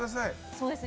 そうですね